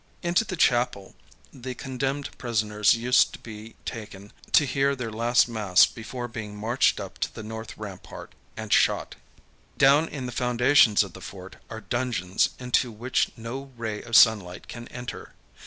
Into the chapel the condemned prisoners used to be[Pg 114] taken to hear their last mass before being marched up to the north rampart and shot. Down in the foundations of the fort are dungeons into which no ray of sunlight can enter.